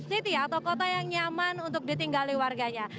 city atau kota yang nyaman untuk ditinggali warganya